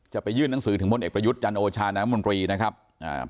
ไปยื่นหนังสือถึงพลเอกประยุทธ์จันโอชาน้ำมนตรีนะครับอ่า